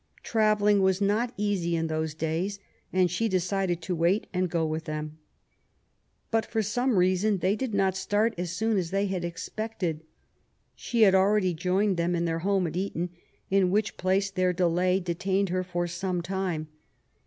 Travelling was not easy in those days, and she decided to wait and go with them. But, for some reason, they did not start as soon as they had expected. She had already joined them in their home at Eton^ in which place their delay detained her for some time.